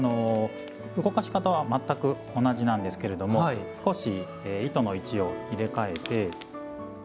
動かし方は全く同じなんですけれども少し糸の位置を入れ替えて。